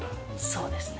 そうですね。